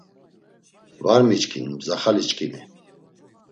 Va miçkin mzaxaliçkimi.